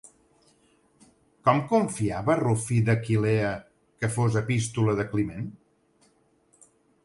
Com confiava Rufí d'Aquileia que fos l'epístola de Climent?